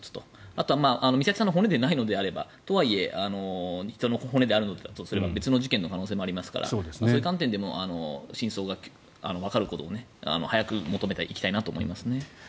あとは美咲さんの骨ではないのであれば、とはいえ人の骨であるとすれば別の事件の可能性もありますからそういう観点でも真相がわかることを早く求めていきたいなと思いますね。